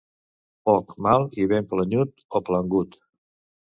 Poc mal i ben planyut o plangut.